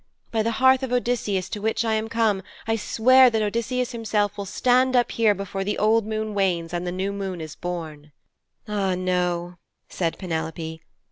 By the hearth of Odysseus to which I am come, I swear that Odysseus himself will stand up here before the old moon wanes and the new moon is born.' 'Ah, no,' said Penelope.